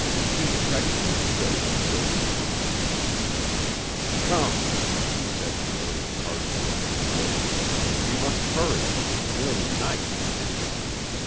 Pete tightened his grip on Sylvie's arm. "Come," he said to her as harshly as before. "We must hurry. It's nearly night."